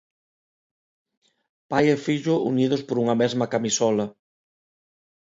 Pai e fillo unidos por unha mesma camisola.